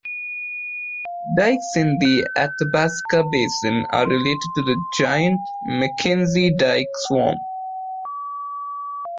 Dikes in the Athabasca Basin are related to the giant Mackenzie dike swarm.